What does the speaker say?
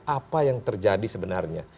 apa yang terjadi sebenarnya